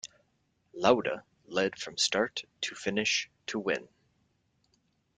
Lauda led from start to finish to win.